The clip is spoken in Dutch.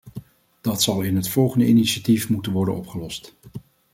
Dat zal in het volgende initiatief moeten worden opgelost.